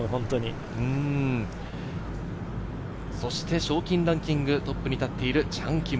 そして賞金ランキングトップに立っているチャン・キム。